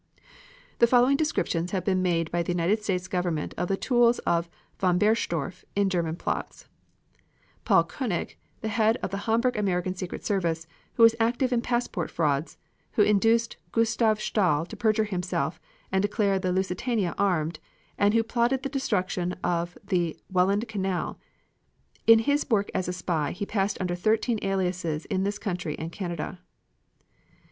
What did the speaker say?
The following descriptions have been made by the United States Government of the tools of von Bernstorff in German plots: Paul Koenig, the head of the Hamburg American secret service, who was active in passport frauds, who induced Gustave Stahl to perjure himself and declare the Lusitania armed, and who plotted the destruction of the Welland Canal. In his work as a spy he passed under thirteen aliases in this country and Canada.